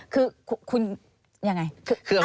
คือคุณยังไง